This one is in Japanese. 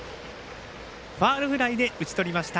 ファウルフライで打ち取りました。